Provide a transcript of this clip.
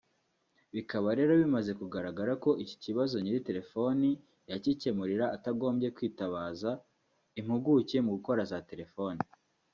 bikaba rero bimaze kugaragara ko iki kibazo nyiri telefoni yacyicyemurira atagombye kwitabaza impuguke mu gukora za telefoni